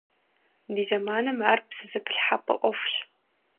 Ди зэманым ар псэзэпылъхьэпӀэ Ӏуэхущ.